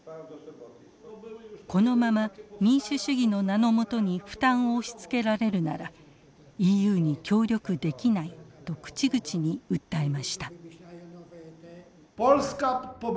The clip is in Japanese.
このまま民主主義の名の下に負担を押しつけられるならＥＵに協力できないと口々に訴えました。